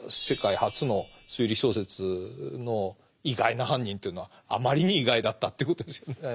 世界初の推理小説の意外な犯人というのはあまりに意外だったということですよね。